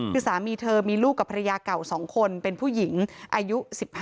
คือสามีเธอมีลูกกับภรรยาเก่า๒คนเป็นผู้หญิงอายุ๑๕